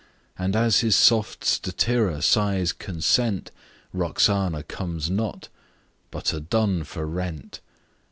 And as his soft Statira sighs consent, Roxana comes not but a dun for rent!